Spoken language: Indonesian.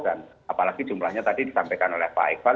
dan apalagi jumlahnya tadi disampaikan oleh pak iqbal